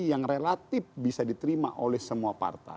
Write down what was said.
yang relatif bisa diterima oleh semua partai